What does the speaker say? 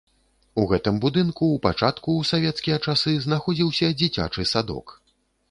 У гэтым будынку ў пачатку ў савецкія часы знаходзіўся дзіцячы садок.